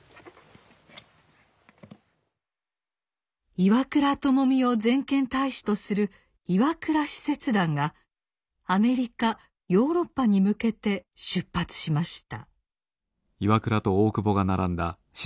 岩倉具視を全権大使とする岩倉使節団がアメリカヨーロッパに向けて出発しました。